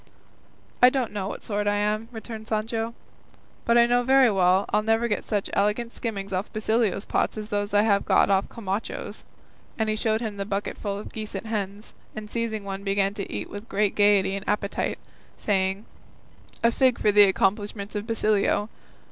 '" "I don't know of what sort I am," returned Sancho, "but I know very well I'll never get such elegant skimmings off Basilio's pots as these I have got off Camacho's;" and he showed him the bucketful of geese and hens, and seizing one began to eat with great gaiety and appetite, saying, "A fig for the accomplishments of Basilio!